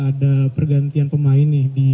ada pergantian pemain nih